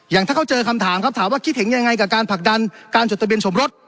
อย่างถ้าเขาเจอคำถามครับถามว่าคิดเห็นยังไงกับการผลักดันการจดทะเบียนสมรส